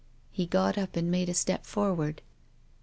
He got up and made a step forward.